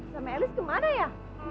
sama elis kemana ya